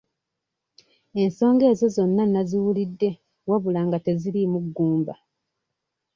Ensonga ezo zonna nnaziwulidde wabula nga teziriimu ggumba.